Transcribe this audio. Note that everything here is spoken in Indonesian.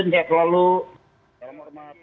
terima kasih mbak ripana pak taslim